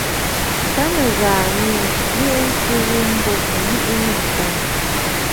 Tâ nɨ̀ghàꞌà nì wè tswe ghu mbo, ǹlwìꞌì nɨ̂ŋkoŋə̀.